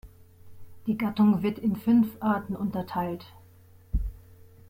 Die Gattung wird in fünf Arten unterteilt.